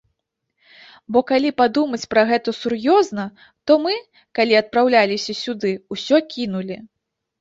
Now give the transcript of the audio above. Бо калі падумаць пра гэта сур'ёзна, то мы, калі адпраўляліся сюды, усё кінулі.